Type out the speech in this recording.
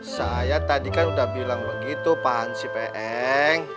saya tadi kan udah bilang begitu pak ancik peng